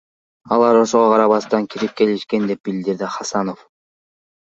Алар ошого карабастан кирип келишкен, — деп билдирди Хасанов.